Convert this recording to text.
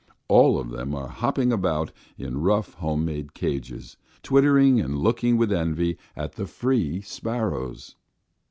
All of them are hopping about in rough, home made cages, twittering and looking with envy at the free sparrows.